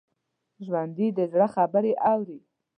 ژوندي د زړه خبرې اوري